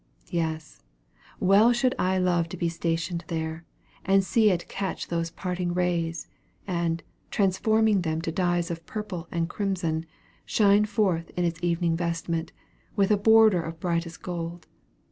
Yes, well should I love to be stationed there, and see it catch those parting rays, and, transforming them to dyes of purple and crimson, shine forth in its evening vestment, with a border of brightest gold.